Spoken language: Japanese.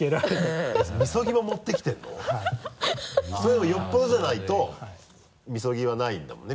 でもよっぽどじゃないと禊ぎはないんだもんね。